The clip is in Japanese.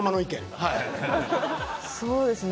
そうですね。